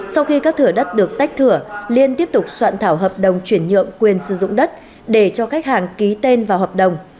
sau khi các thửa đất được tách thửa liên tiếp tục soạn thảo hợp đồng chuyển nhượng quyền sử dụng đất để cho khách hàng ký tên vào hợp đồng